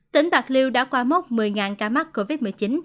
tỉnh bạc liêu đã qua mốc một mươi ca mắc covid một mươi chín